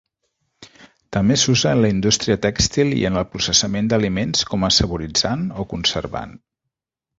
També s’usa en la indústria tèxtil i en el processament d’aliments com saboritzant o conservant.